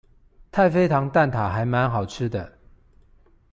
太妃糖蛋塔還滿好吃的